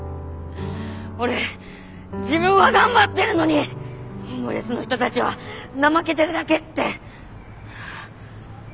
俺自分は頑張ってるのにホームレスの人たちは怠けてるだけって。